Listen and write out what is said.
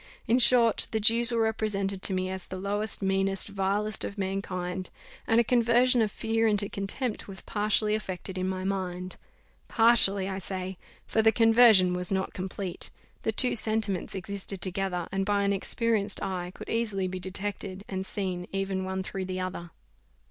In short, the Jews were represented to me as the lowest, meanest, vilest of mankind, and a conversion of fear into contempt was partially effected in my mind; partially, I say, for the conversion was not complete; the two sentiments existed together, and by an experienced eye, could easily be detected and seen even one through the other.